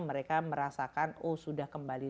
mereka merasakan oh sudah kembali